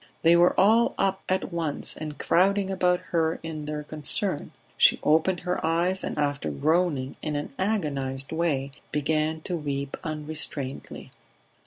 They were all up at once and crowding about her in their concern; she opened her eyes, and after groaning in an agonized way began to weep unrestrainedly.